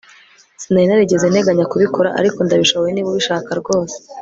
sinari narigeze nteganya kubikora, ariko ndabishoboye niba ubishaka rwose